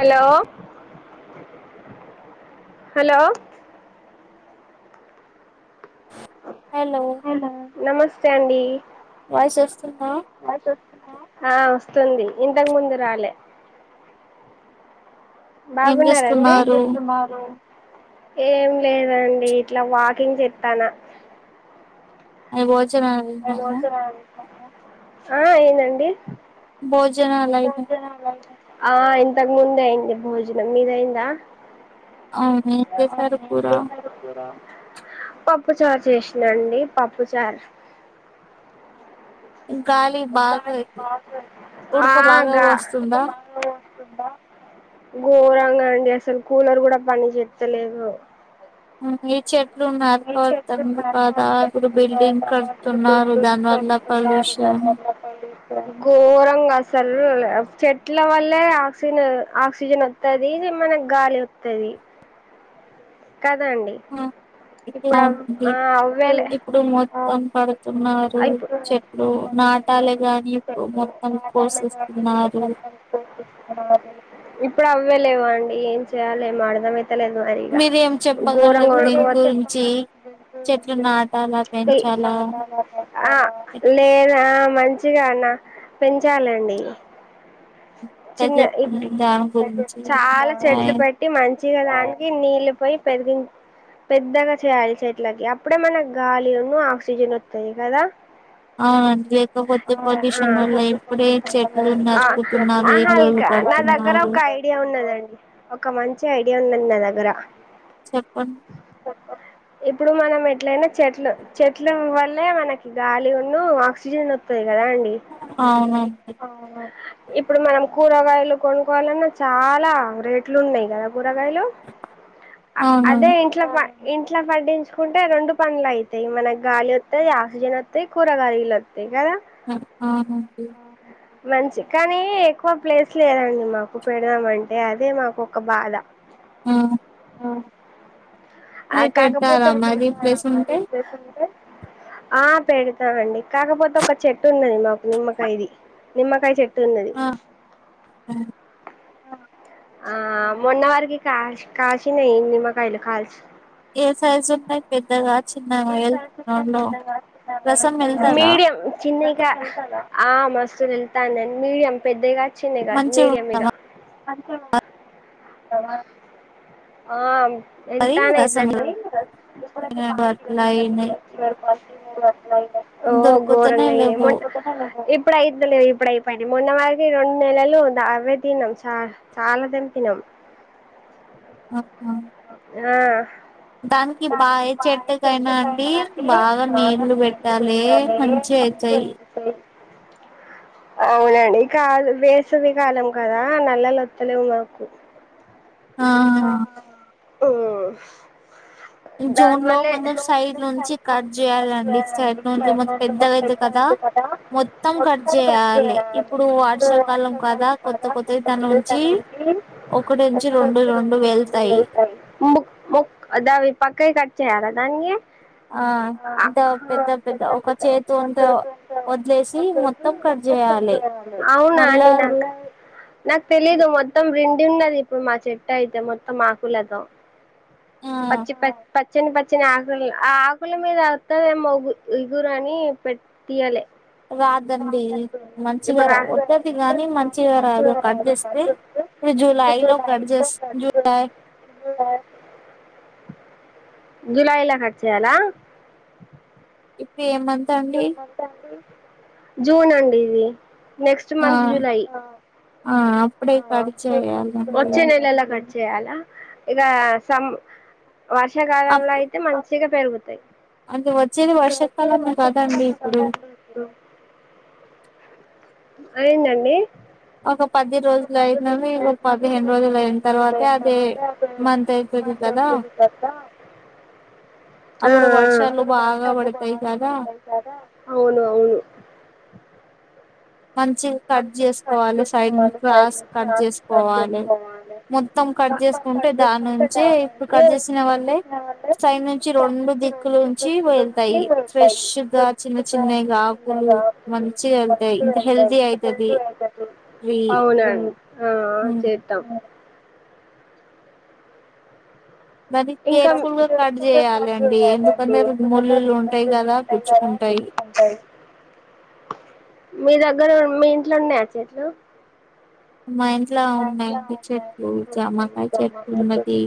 Hello hello hello నమస్తే అండి voice వస్తుందా ఆ వస్తుంది ఇంతకు ముందు రాలే ఏం బాగున్నారండి ఏం చేస్తున్నారు చేస్తున్నారు ఏం లేదండి ఇట్లా వాకింగ్ చెత్తనా ఏ భోజనాలు తిన్నారా ఆ ఏమండీ బోజ ఆ ఇంతకు ముందే అయింది భోజనం మీదయిందా అవును ఏం ఆ చేశారు కూర చేసరప్పుర పప్పు చారు చేసినండి పప్పు చారు గాలి బాగా ఆ ఉడక బాగా గా వస్తుందా ఘోరంగా అండి అసలు కూలర్ కూడా పనిచేత్తలేదు ఉమ్ ఈచర్ లు మరకడతంబు కాదా ఇప్పుడు బిల్డింగ్ కడుతున్నారు దాని వల్ల పొల్యూషన్ ఘోరంగా అసలు చెట్ల వల్లే ఆక్సిజన్ ఆక్సిజన్ వస్తది మనకు గాలి వస్తది. కదండి ఇట్లా ఉంది ఇప్పుడు మొత్తం కడుతున్నారు అయిపో చెట్లు నా కట్టాలే గాని ఇప్పుడు మొత్తం కోసిస్తున్నారు నువ్వలేవు అండి ఏం చేయాల ఏం అర్ధం అయితలేదు మరి ఇగ మీరేం ఘోరంగా చెప్పగలరు ఉడక దీని పొత్త గురించి చెట్లు నాటాలా లేే పెంచాలా ఆ లేదా ఆ మంచిగా అన్న పెంచాలండి ఎట్లా చిన్న ఈ చెప్పండి దాని గురించి చాలా చెట్లు పెట్టి మంచిగాదానికి నీళ్లు పోయి పెరిగిన్ పెద్దగా చేయాలో చేట్లాకి అప్పుడే మన గాలి ఉన్ను ఆక్సిజన్ వస్తాయి కదా అవునండి లేకపోతే పొల్యూషన్ ఆ వల్ల ఇప్పుడే చ్మ్ చెట్లు ఆ నరుకుతున్నారు ఆహా ఇల్లులు ఇక నా దగ్గర కడుతున్నారు ఒక ఐడియా ఉన్నదండి ఒక మంచి ఐడియా ఉన్నది నా దగ్గర చెప్పండి ఇప్పుడు మనం ఎట్లయినా చెట్లు చెట్ల వల్లే మనకి గాలి ఉన్న ఆక్సిజన్ వతది కదా అండి అవునండి ఇప్పుడు మనం కూరగాయలు కొనుక్కోవాలన్నా చాలా రేట్లు ఉన్నాయి కదా కూరగాయలు ఆ అదే అవునండి ఇంట్లో ప ఇంట్లో పడ్డించుకుంటే రెండు పనులు అయితాయి మనకి గాలి వత్తయి ఆక్సిజన్ వత్తయి కూరగాయాలు వత్తయి కదా ఆ అవును మంచి కానీ ఎక్కువ ప్లేస్ లేదండి మాకు పెడదామ అంటే అదే మాకు ఒక బాధ ఆ ఆ అవి కాకపోతే పెడతారా మరి పెడతారా ప్లేస్ ఉంటే మారి ప్లేస్ ఉంటే ఆ పెడతామండి కాకపోతే ఒక చెట్టు ఉన్నది మాకు నిమ్మకయది. నిమ్మకాయ చెట్టున్నది ఆ ఆ. ఆ మోన్నా వరకి కా కాశినాయి నిమ్మకాయలు కాల్సి ఏ సైజు ఉంటాయి పెద్దగా చిన్నగా వెళ్తులో రసం వెళ్తారా మీడియం చిన్నిగా ఆ మస్తులు వెళ్తాన్నాయి మీడియం పెద్దయిగావు చిన్నవి కాదు మంచిగా మీడియం ఉందా ఇగ ఆమ్ వెళ్తున్నాయి రసం అట్లా అయినాయి ఓ దొరుకుతూనే ఘోరంగా లేవు అయినాయి ఇప్పుడు అయితలే ఇప్పుడు అయిపోయింది మొన్న వారికి రెండు నెలలు అవే తిన్నం చాలా చాలా తిన్నం తిన్నం ఆహా ఆ దానికి బాయే చెట్టు కైనాకి బాగా నీళ్ళు బెట్టాలే మంచిగ అయితయ్ [inaudible] అవునండి కాదు వేసవి కాలం కదా నల్లలొత్తలేవు మాకు ఆహా ఓ జూన్ లో కొందర్స్ సైడ్ నుంచి కట్ జేయాలండి సైడ్ నుంచి మస్త్ పెద్దగా అయితది కదా మొత్తం కట్ జేయాలి ఇప్పుడు వర్షాకాలం కదా కొత్త కొత్తది దాన్ని ఉంచి ఒకటినుంచి రెండు రెండు వెళ్తాయి ముక్ దాని పక్కయి కట్ చేయ్యాలా దానియి ఆ ఆ ఇంత పెద్ద పెద్ద ఒక చేతి అంత వదిలేసి మొత్తం కట్ చేయాలి అవునా మళ్ళా అండి నాక్ నాకు తెలీదు మొత్తం రెండు పడి ఉన్నది ఇప్పుడు మా చెట్టు అయితే మొత్తం ఆకులతో ఆ పచ్చి పచ్చని ప వచ్చిన ఆకులు ఆ ఆకుల మీద వత్తదే ఇగురు అని తీయలే రాదండి మంచిగా ఇప్పుడు రా రాకపోతే వత్తది ఒత్తది గాని మంచిగా కట్ రాదు చేస్తే రాకపోతే ఇప్పుడు జూలై కట్ లో చేస్ జూలై మంచిగోత్తది జూలై జూలైలా కట్ చేయాలా ఇప్పి ఏమంత్ ఇప్పుడు ఏ మంత్ అంటే జూన్ అండి ఇది నెక్స్ట్ మంత్ జూలై ఎప్పుడే కట్ చేయాలండి వచ్చే నెలలో చేయాలా ఇగ సం వర్షాకాలంలో అప్పు అయితే మంచిగా పెరుగుతయ్ అంటే వచ్చేది అంటే వచ్చేది వర్షాకాలమే వర్షాకాలం కదండి ఇప్పుడు గదా ఇప్పుడు ఏందండి ఒక పది రోజులు అయిదండి ఇగ పదిహేను రోజులు అయిన తర్వాత అదే మంత్ అయితది మంత్ కదా ఎండింగ్ కదా ఆ అప్పుడు వర్షాలు ఆ అక్కడ బాగా పడతాయి కదా [unintelligible] అవును అవును మంచి కట్ జేసుకోవాలి సైడ్ ను క్రాస్ కట్ జేసుకోవాలి మొత్తం కట్ కట్ చేసుకుంటే దాని నుంచే ఇప్పుడు కట్ జేసిన వాళ్ళే సైడ్ నుంచి రెండు దిక్కులుంచి వెళ్తాయి ఫ్రెష్ గా చిన్న చిన్నగా ఆకులు మంచిగ యెళ్తాయి ఇంకా హెల్తీ అయితది ట్రీ అవునా అండి ఆ ఆ చేత్తాం దానీ ఇంకా కేర్ఫుల్ గా కట్ జేయాలండి ఎందుకంటే ముల్లులు ఉంటాయి గదా కుచ్చుకుంటా తయి మీ దగ్గర మీ ఇంట్లో ఉన్నయా చెట్లు మా ఇంట్లో [inaudible] ఉన్నాయండి చెట్లు జామకాయ చెట్లు ఉన్నది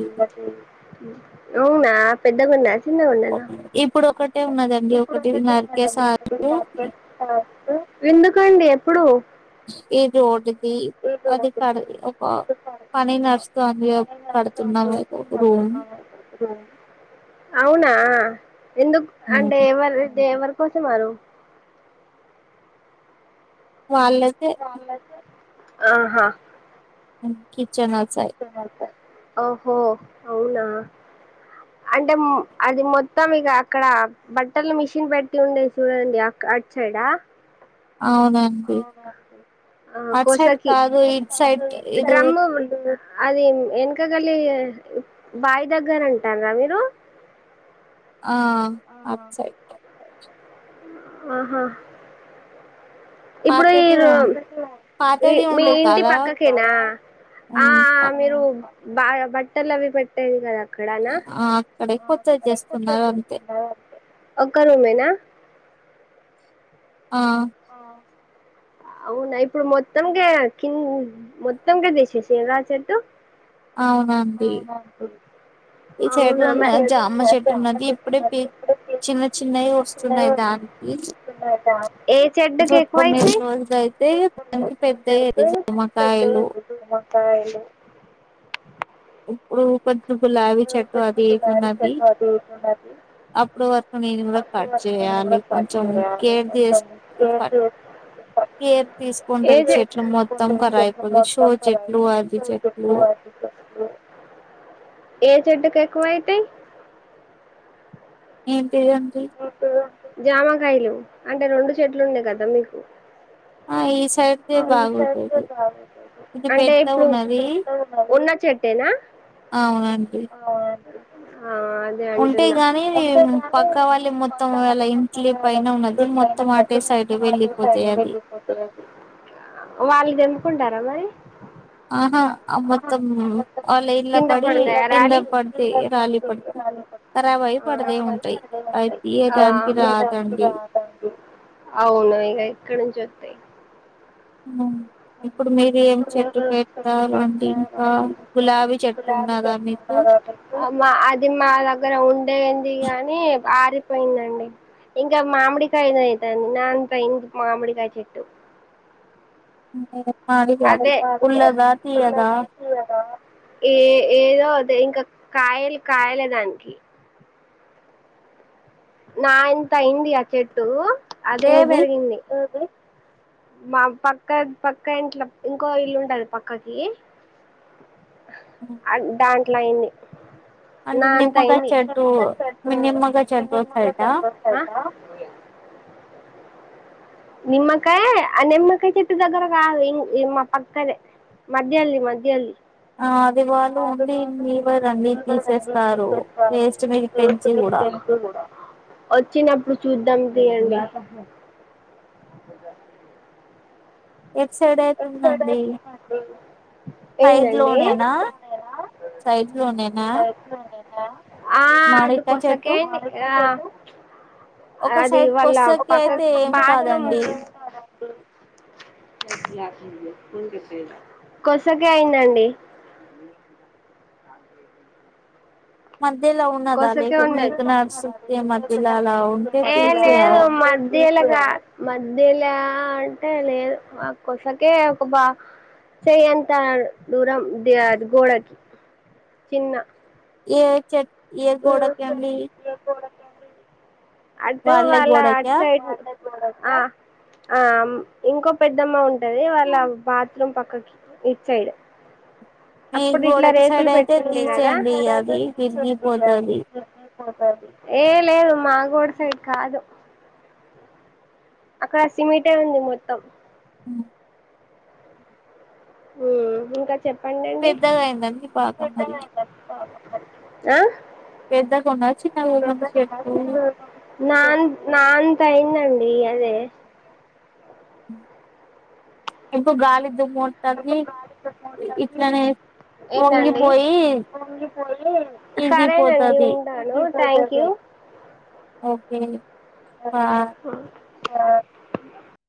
అవునా పెద్ద గుందా చిన్న గుండేనా ఇప్పుడు ఒకటే ఉన్నదండి ఇప్పుడు ఒకటి పెద్దగైందండి నరికేసారు [unintelligible] ఎందుకండి ఎప్పుడు ఏదో ఒకటి అది అది కాదు ఒక పని నడుస్తాంది కడుతున్నాం రూమ్ అవునా ఎందుకు అంటే ఎవరు ఎవరు కోస మారు వాళ్ళకే ఆహా ఉ కిచనసాయి ఒహో అవునా అంటే అది మొత్తం ఇక అక్కడ బట్టలు మిషన్ పెట్టి ఉండే చూడండి అక్కడ అచ్చడా అవునండి ఆ అటు సైడ్ కోసకి కాదు ఇటు సైడ్ ఇది డ్రమ్ము అది ఎనక గలి బాయి దగ్గర అంటారా మీరు ఆ అట్ సైడ్ ఏ ఆహా ఇప్పుడు ఈ పాతది ఉ రు పాతది మీ ఉండే ఇంటి కదా పక్కకేనా ఆ ఉమ్, ఆ పక్క- మీరు బా బట్టలు అవి పెట్టేది కదా క్కడానా ఆ అక్కడే కొత్తది చేస్తున్నారు అంతే ఒక్క రూమేనా ఆ [inaudible] అవునా ఇప్పుడు మొత్తం కె కిం మొత్తం కె తీసేసిలా ఆ చెట్టు అవునండి ఈ సైడ్ అవునా మ ఉన్న జామ చెట్టు ఉన్నది ఇప్పుడే పి చిన్న చిన్నవి వస్తున్నాయి దానికి ఇ పిల్ తుమేదాం ఏ చెడ్డ కేకవయితయ్ రోజులయితే దానికి పెద్దయ్యేది జామకాయలు కాయిలు ఇప్పుడు కొది గులాబీ చెట్టు అది ఇది ఉన్నది అప్పుడు వరకు నేను కూడా కట్ చేయాలి కొంచెం కేర్ చేస్ ఉ పట్ కేర్ తీసుకుంటే ఏ అవి చె చెట్లు మొత్తం ఖరా అయిపోంది షో చెట్లు అది చెట్లు ఎగ్జామ్స్ కూ ఏ చెడ్డు కెకువయితయ్ ఏం పేరండి జామకాయలు అంటే రెండు చెట్లు ఉన్నాయి కదా మీకు ఆ ఈ సైడ్దే బాగుంటది ఇది అంటే పెద్ద ఇప్పుడు ఉన్నది ఉన్న చెట్టేనా అ అవునండి ఆ అదే ఉంటే అంటున్నా గాని పక్క కావాలి మొత్తం వాళ్ళ ఇంట్లి పైన ఉన్నది మొత్తం అటే సైడ్ వెళ్ళిపోతాయి అది ఆ వాళ్ళు దెంపుకుంటారా మరి ఆహా ఆ మొత్తం వాళ్ళ ఇల్ల కింద పడి పడతాయా కింద రాలి పడితే రాలీ పడుతు ఖరాభై పడదే ఉంటాయి అవి ఆ తీయడానికి రాదండి అవున ఇక ఇక్కడ నుంచి వ తయ్ ఊ ఇప్పుడు మీరు ఏం చెట్టు పెడతారు అండి ఇంకా గులాబీ చెట్టు ఉన్నదా మీకు మా అది మా దగ్గర ఉండేంది గాని ఆరిపోయిందండి ఇంగ్ మామిడికాయ అయితా ని నాంత ఇంగ్ మామిడికాయ చెట్టు ఉంటాయి గా అదే ఏ ఏదో ఇంకా కాయలు కాయలే దానికి నా ఇంత అయింది ఆ చెట్టు అదే ఏది పెరిగింది మా పక్క పక్క ఇంట్లో ఇంకో ఇల్లు ఉంటది పక్కకి దాంట్లో అయింది అంటే నా అంత నిమ్మకాయ అయింది చెట్టు మీ నిమ్మకాయ చెట్టు సైట ఆ నిమ్మకాయ ఆ నిమ్మకాయ చెట్టు దగ్గర కాదు ఇంగ మా పక్కదే మధ్యల్ది మధ్యల్ ఆ అది వాళ్ళు ఆద ఉండి మీవరండి బడి తీసేస్తారు సకారు వేస్ట్ మీరు పెంచి కూడా తెంపు కూడా వచ్చినప్పుడు చూద్దాం తీయండి ఎటు సైడ్ వచ్చాడా అయితుందండి చూడండి సైడ్ ఏందండి లోనేనా సైడ్ లోనేనా ఆ మామిడికాయ చెట్టు అడ్డుకోసకే ఆ ఒక అది సైడ్ వాళ్ళ కొసకి పక్క అయితే ఏం బాత్రూమ్ కాదండి అ కొసకే అయిందండి మ మధ్య లో ఉన్నదాల కొసకే మీకు నడుస్తుతే ఉన్నది మధ్యలోలా ఉంటే తీసేయాలి మధ్యలా అంటే లేదు కొసకే ఒక బా చెయ అంత దూరం ద గోడకి చిన్న ఏ చెట్ ఏ గోడకి అండి అటు వాళ్ళ అట్ గోడకా సైడ్ అ ఆ మ్ ఇంకో పెద్దమ్మ ఉంటది వాళ్ళ బాత్రూమ్ పక్కకి ఇట్ సైడ్ అ [unintelligible] మీ అప్పుడు ఇట్లా గోడకి రేకులు సైడ్ అయితే పెట్టింది కదా తీసేయండి అది విరిగిపోతది ఏం లేదు మాగోడ సైడ్ కాదు అక్కడ సిమెంటె ఉంది మొత్తం హ్మ్ హ్మ్ ఇంకా చెప్పండండి పెద్దగా అయిందండి బాగా మరి ఆ పెద్దగా ఉన్నదా చిన్నగా ఉందండి చెట్టు నన్ నా అంతైందండి ఇయ్యవే ఇప్పు గాలి దుమ్ము ఉంటది ఇట్లనే ఏంటండి వంగిపోయి సరేనండి ఇరిగిపోతది ఉంటాను థ్యాంక్ యూ ఓకే బాయ్ ఆ